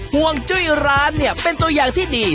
ห่วงจุ้ยร้านเนี่ยเป็นตัวอย่างที่ดี